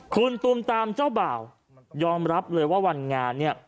คุณตูมตามเจ้าบ่าวยอมรับเลยว่าวันงานเนี่ย